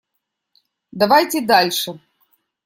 Давайте дальше.